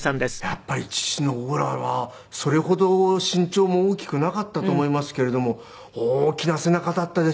やっぱり父のオーラはそれほど身長も大きくなかったと思いますけれども大きな背中だったですね。